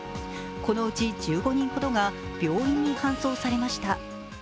このうち１５人ほどが病院に搬送されました。